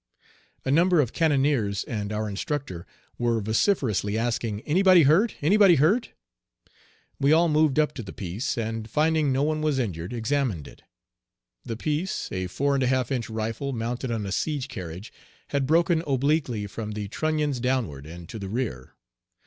A number of cannoneers and our instructor were vociferously asking, "Anybody hurt? Anybody hurt?" We all moved up to the piece, and, finding no one was injured, examined it. The piece, a 41/2 inch rifle, mounted on a siege carriage, had broken obliquely from the trunnions downward and to the rear.